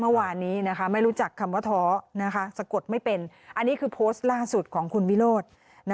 เมื่อวานนี้ไม่รู้จักคำว่าท้อสะกดไม่เป็นอันนี้คือโพสต์ล่าสุดของคุณวิโรธ